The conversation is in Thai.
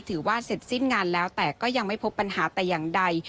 ถือว่าเสร็จสิ้นงานแล้วแต่ก็ยังไม่พบปัญหาแต่อย่างใด